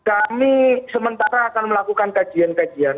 kami sementara akan melakukan kajian kajian